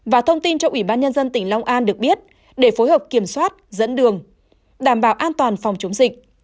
và thông tin cho ubnd tỉnh long an được biết để phối hợp kiểm soát dẫn đường đảm bảo an toàn phòng chống dịch